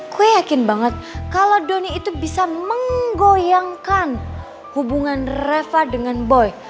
gue yakin banget kalau doni itu bisa menggoyangkan hubungan reva dengan boy